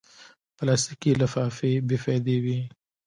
پلاستيکي لفافې بېفایدې وي.